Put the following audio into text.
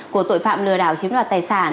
của tội phạm lừa đảo chiếm đoạt tài sản